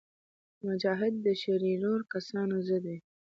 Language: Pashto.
مجاهد د شریرو کسانو ضد وي.